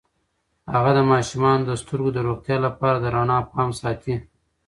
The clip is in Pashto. هغه د ماشومانو د سترګو د روغتیا لپاره د رڼا پام ساتي.